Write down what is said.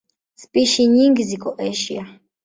Spishi nyingi ziko Asia.